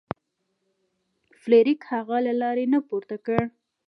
فلیریک هغه له لارې نه پورته کړ.